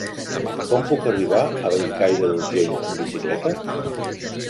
Com puc arribar a Bellcaire d'Urgell amb bicicleta?